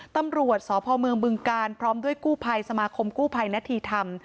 ตำรวจสพเมืองบึงกาลพร้อมด้วยกู้ภัยสมาคมกู้ภัยนาธีธรรม